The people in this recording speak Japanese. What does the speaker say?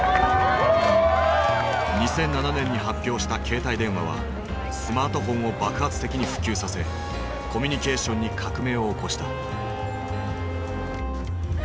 ２００７年に発表した携帯電話はスマートフォンを爆発的に普及させコミュニケーションに革命を起こした。